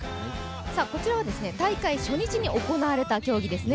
こちらは大会初日に行われた競技ですね。